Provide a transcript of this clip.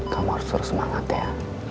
kamu harus terus semangat ya